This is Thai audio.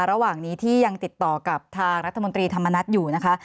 ระหว่างนี้ที่ยังติดต่อกับทางรัฐมนตรีธรรมนัฐอยู่นะคะ